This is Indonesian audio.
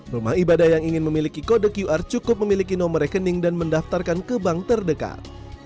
rumah ibadah yang ingin memiliki kode qr cukup memiliki nomor rekening dan mendaftarkan ke bank terdekat